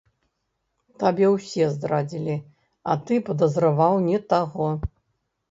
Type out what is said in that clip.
Табе ўсе здрадзілі, а ты падазраваў не таго!